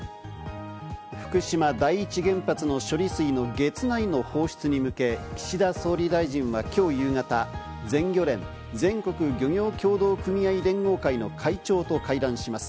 福島第一原発の処理水の月内の放出に向け、岸田総理大臣はきょう夕方、全漁連＝全国漁業協同組合連合会の会長と会談します。